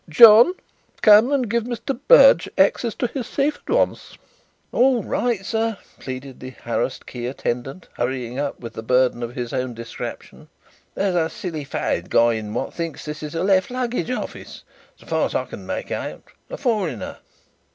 "John, come and give Mr. Berge access to his safe at once." "All right, sir," pleaded the harassed key attendant, hurrying up with the burden of his own distraction. "There's a silly fathead got in what thinks this is a left luggage office, so far as I can make out a foreigner."